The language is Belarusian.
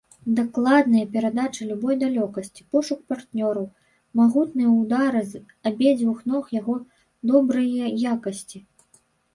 Дакладныя перадачы любой далёкасці, пошук партнёраў, магутныя ўдары з абедзвюх ног яго добрыя якасці.